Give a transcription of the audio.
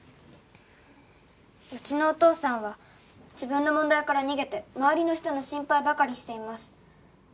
「うちのお父さんは自分の問題から逃げて周りの人の心配ばかりしています」